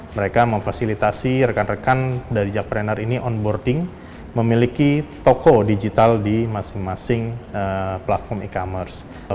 mereka memfasilitasi rekan rekan dari jackpreneur ini onboarding memiliki toko digital di masing masing platform e commerce